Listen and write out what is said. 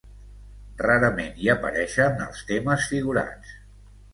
Rarament hi apareixen els temes figurats.